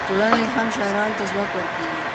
ټولنې الهام شاعرانو ته ځواک ورکوي.